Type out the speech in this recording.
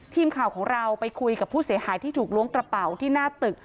ทีมข่าวของเราไปคุยกับผู้เสียหายที่ถูกล้วงกระเป๋าที่หน้าตึก